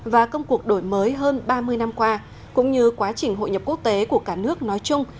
và công cuộc đổi mới hơn ba mươi năm qua cũng như quá trình hội nhập quốc tế của cả nước nói chung